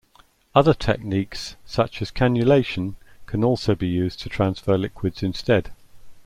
Other techniques such as cannulation can also be used to transfer liquids instead.